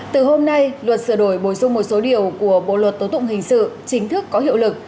từ hôm nay luật sửa đổi bổ sung một số điều của bộ luật tố tụng hình sự chính thức có hiệu lực